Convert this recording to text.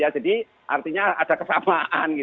jadi artinya ada kesamaan